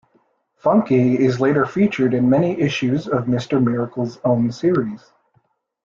Funky is later featured in many issues of Mister Miracle's own series.